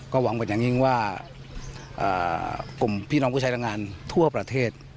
ก็หวังกว่าอย่างยิ่งว่าอ่ากลุ่มพี่น้องผู้ใช้รายงานทั่วประเทศ